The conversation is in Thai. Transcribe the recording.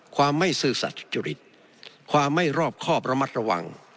ความไม่ซื้อสัจจุฬิตความไม่รอบข้อประมัติระวัง